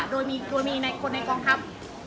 โดยมีคนในกลางครับ